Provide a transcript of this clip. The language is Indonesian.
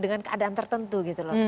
dengan keadaan tertentu gitu loh